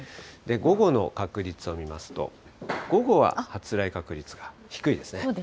午後の確率を見ますと、午後は発そうですね。